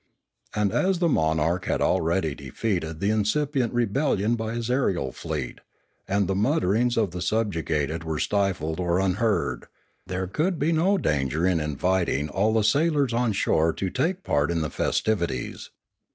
And as the monarch had already de feated the incipient rebellion by his aerial fleet, and the mutterings of the subjugated were stifled or un heard, there could be no danger in inviting all the sailors on shore to take part in the festivities.